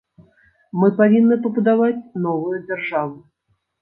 Мы павінны пабудаваць новую дзяржаву.